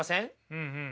うんうん。